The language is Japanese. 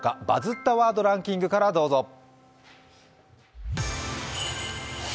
「バズったワードランキング」からどうぞ。